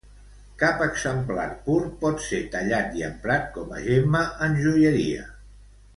Cap exemplar pur pot ser tallat i emprat com a gemma en joieria.